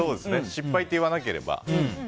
失敗って言わなければ。